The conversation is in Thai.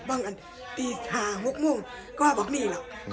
อันดับสุดท้ายก็คืออันดับสุดท้าย